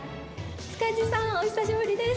塚地さんお久しぶりです。